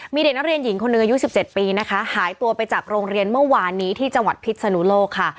มีเด็กนักเรียนหญิงคนหนึ่งอายุ๑๗ปีนะคะหายตัวไปจากโรงเรียนเมื่อวานนี้ที่จังหวัดพิษนุโลกค่ะ